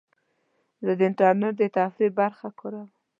زه د انټرنیټ د تفریح برخه کاروم.